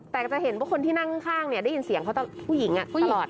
แต่ก็จะเห็นว่าคนที่นั่งข้างเนี้ยได้ยินเสียงเขาตลอดผู้หญิงอ่ะตลอด